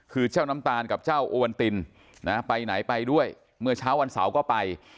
คือเจ้าน้ำตาลกับเจ้าโอวันตินนะไปไหนไปด้วยเมื่อเช้าวันเสาร์ก็ไป